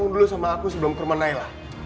tunggu dulu sama aku sebelum ke rumah nailah